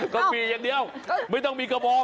ก็มีอย่างเดียวไม่ต้องมีกระบอง